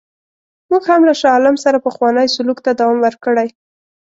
موږ هم له شاه عالم سره پخوانی سلوک ته دوام ورکړی.